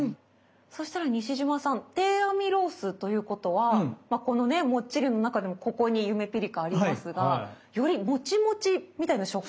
そしたら西島さん低アミロースということはこのねもっちりの中でもここにゆめぴりかありますがよりモチモチみたいな食感。